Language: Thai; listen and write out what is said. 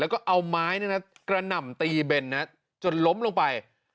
แล้วก็เอาไม้กระหน่ำตีเบนจนล้มลงไป